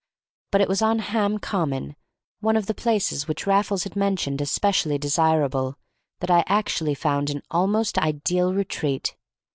But it was on Ham Common, one of the places which Raffles had mentioned as specially desirable, that I actually found an almost ideal retreat.